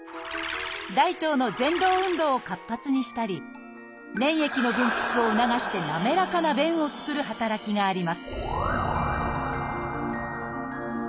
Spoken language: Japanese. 大腸のぜん動運動を活発にしたり粘液の分泌を促してなめらかな便を作る働きがあります